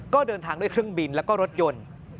ก็เดินทางด้วยเครื่องบินแล้วก็รถยนต์